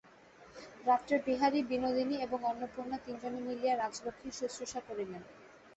রাত্রে বিহারী, বিনোদিনী এবং অন্নপূর্ণা তিনজনে মিলিয়া রাজলক্ষ্মীর শুশ্রূষা করিলেন।